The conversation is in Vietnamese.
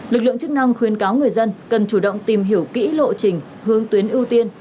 lực lượng chức năng khuyến cáo người dân cần chủ động tìm hiểu kỹ lộ trình hướng tuyến ưu tiên